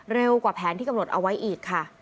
เร็วกว่าแผนที่กำหนดเอาไว้อีกค่ะ